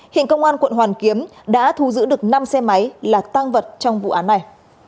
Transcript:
hiện công an quận hoàn kiếm đã thu giữ được năm xe máy là tang vật trong vụ án này